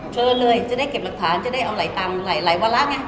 เชิญเลยจะได้เก็บหลักฐานจะได้เอาไหลตามหลายวาระไง